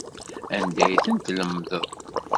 Anda ay tent-tlemdeḍ?